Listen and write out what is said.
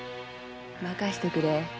任せとくれ。